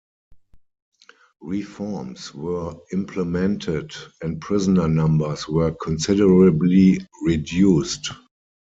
Reforms were implemented and prisoner numbers were considerably reduced.